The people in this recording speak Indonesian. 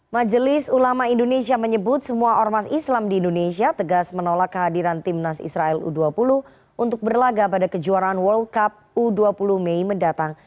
majelis ulama indonesia menyebut semua ormas islam di indonesia tegas menolak kehadiran timnas israel u dua puluh untuk berlaga pada kejuaraan world cup u dua puluh mei mendatang